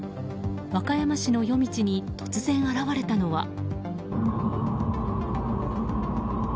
和歌山市の夜道に突然、現れたのは。